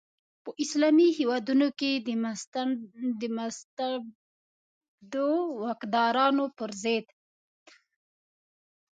په اسلامي هیوادونو کې د مستبدو واکدارانو پر ضد.